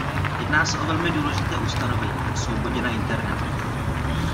Jedná se o velmi důležité ustanovení o svobodě na internetu.